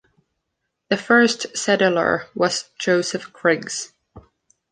The first settler was Joseph Griggs.